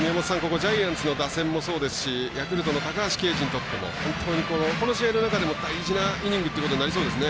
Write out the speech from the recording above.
ジャイアンツの打線もそうですしヤクルトの高橋奎二にとっても本当にこの試合の中でも大事なイニングということになりそうですね。